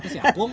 itu si akung